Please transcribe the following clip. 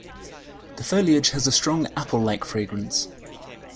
The foliage has a strong apple-like fragrance.